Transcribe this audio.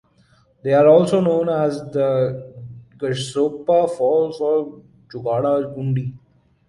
They are also known as the Gersoppa Falls or Jogada Gundi.